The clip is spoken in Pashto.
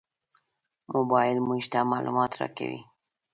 موبایل موږ ته معلومات راکوي.